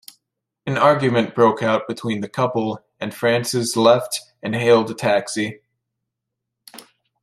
An argument broke out between the couple and Frances left and hailed a taxi.